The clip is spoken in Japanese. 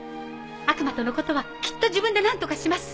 悪魔とのことはきっと自分で何とかします。